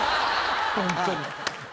ホントに。